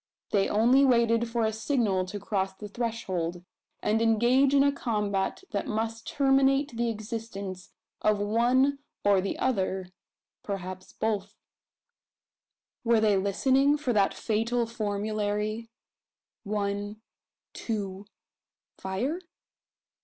They only waited for a signal to cross the threshold; and engage in a combat that must terminate the existence of one or the other perhaps both. Were they listening for that fatal formulary: One two fire?